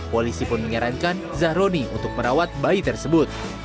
polisi pun menyarankan zahroni untuk merawat bayi tersebut